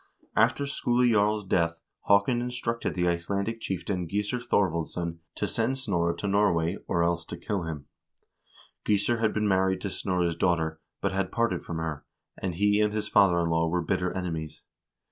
After Skule Jarl's death Haakon instructed the Icelandic chieftain Gissur Thorvaldsson to send Snorre to Nor way, or else to kill him. Gissur had been married to Snorre's daugh ter, but had parted from her, and he and his father in law were bitter enemies.